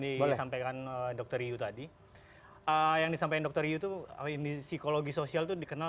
disampaikan dokter yu tadi yang disampaikan dokter yu itu psikologi sosial itu dikenal